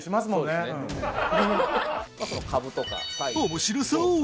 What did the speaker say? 面白そう！